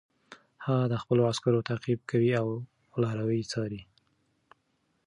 هغه د خپلو عسکرو تعقیب کوي او لاروي څاري.